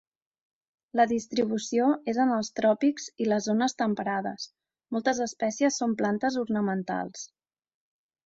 La distribució és en els tròpics i les zones temperades, moltes espècies són plantes ornamentals.